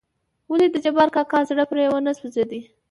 ولې دجبار کاکا زړه پرې ونه سوزېد .